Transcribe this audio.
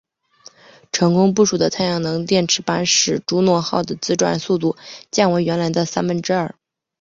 成功布署的太阳能电池板使朱诺号的自转速度降为原来的三分之二。